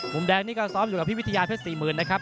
มุมแดงนี่ก็ซ้อมอยู่กับพี่วิทยาเพชร๔๐๐๐นะครับ